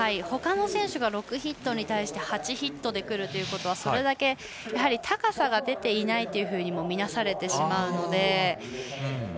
ほかの選手６ヒットに対し８ヒットでくるということはそれだけ高さが出ていないともみなされてしまうので。